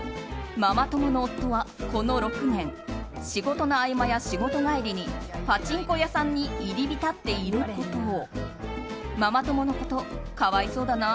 ママ友の夫は、この６年仕事の合間や仕事帰りにパチンコ屋さんに入り浸っていることを。